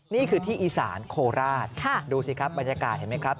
นี่คือที่อีสานโคราชดูสิครับบรรยากาศเห็นไหมครับ